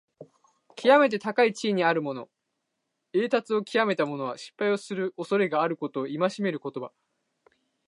きわめて高い地位にあるもの、栄達をきわめた者は、失敗をするおそれがあることを戒める言葉。